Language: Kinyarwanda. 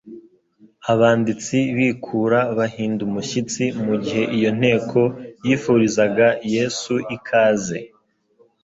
Abanditsi bikura bahinda umushyitsi mu gihe iyo nteko yifurizaga Yesu ikaze.